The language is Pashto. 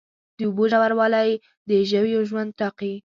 د اوبو ژوروالی د ژویو ژوند ټاکي.